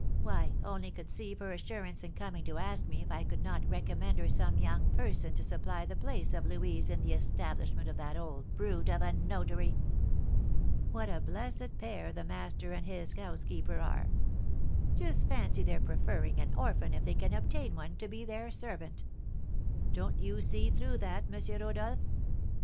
Why, only conceive her assurance in coming to ask me if I could not recommend her some young person to supply the place of Louise in the establishment of that old brute of a notary. What a blessed pair the master and his housekeeper are! Just fancy their preferring an orphan, if they can obtain one, to be their servant! Don't you see through that, M. Rodolph?